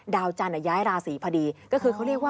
ย้ายราศีพอดีก็คือเขาเรียกว่า